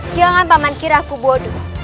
jangan paman kira aku bodoh